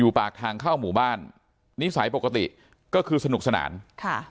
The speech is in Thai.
ปากทางเข้าหมู่บ้านนิสัยปกติก็คือสนุกสนานค่ะ